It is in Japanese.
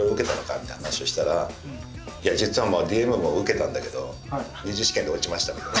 みたいな話をしたらいや実はＤＭＭも受けたんだけど２次試験で落ちましたみたいな。